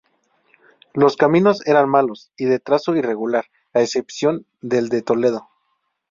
Los caminos eran malos y de trazo irregular, a excepción del de Toledo.